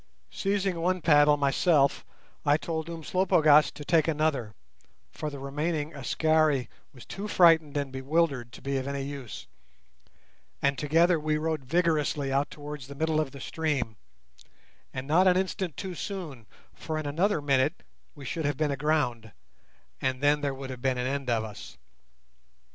Seizing one paddle myself, I told Umslopogaas to take another (for the remaining Askari was too frightened and bewildered to be of any use), and together we rowed vigorously out towards the middle of the stream; and not an instant too soon, for in another minute we should have been aground, and then there would have been an end of us.